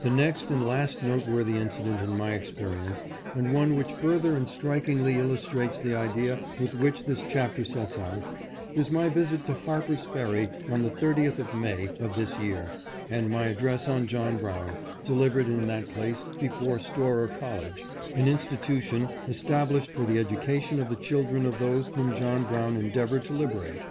The next, and last noteworthy incident in my experi ence, and one which further and strikingly illustrates the idea with which this chapter sets out, is my visit to Harper's Ferry on the 30th of May, of this year, and my address on John Brown, delivered in that place before Storer College, an Institution established for the educa tion of the children of those whom John Brown endeav ored to liberate.